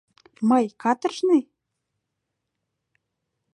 — Мый каторжный?!